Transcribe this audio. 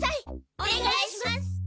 おねがいします！